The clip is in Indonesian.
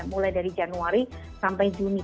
mulai dari januari sampai juni